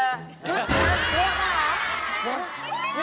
เรียกแล้วหรอ